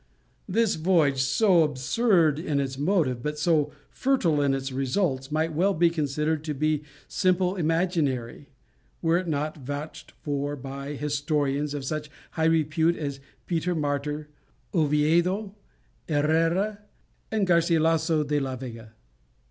This voyage, so absurd in its motive but so fertile in its results, might well be considered to be simply imaginary, were it not vouched for by historians of such high repute as Peter Martyr, Oviedo, Herrera, and Garcilasso de la Vega.